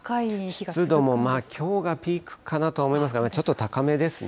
湿度もきょうがピークかなとは思いますが、ちょっと高めですね。